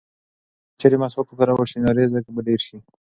که چېرې مسواک وکارول شي نو رزق به ډېر شي.